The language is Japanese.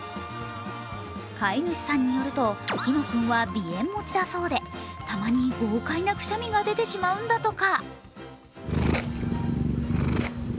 飼い主さんによると、ティノ君は鼻炎持ちだそうでたまに豪快なくしゃみが出てしまうんだとか。